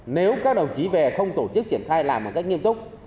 nếu các đồng chí về không tổ chức triển khai làm một cách nghiêm túc